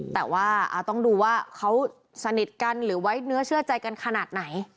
แต่ว่าต้องดูว่าเขาสนิทกันหรือไว้เนื้อเชื่อใจกันขนาดไหน